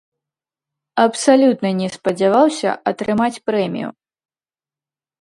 Абсалютна не спадзяваўся атрымаць прэмію.